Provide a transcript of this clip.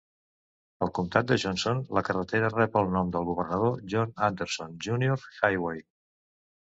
Al comtat de Johnson, la carretera rep el nom de Governor John Anderson, Junior Highway.